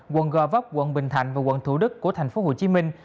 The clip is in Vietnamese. quận gò vấp quận bình thạnh và quận thủ đức của thành phố hồ chí minh